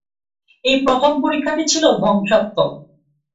এই প্রথম পরীক্ষাটি ছিল ধ্বংসাত্মক।